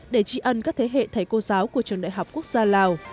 để trị ân các thế hệ thầy cô giáo của trường đại học quốc gia lào